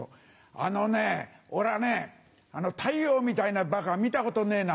「あのねおらね太陽みたいなバカ見たことねえな」。